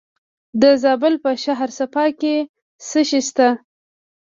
د زابل په شهر صفا کې څه شی شته؟